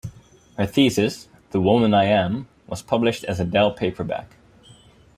Her thesis, "The Woman I Am", was published as a Dell paperback.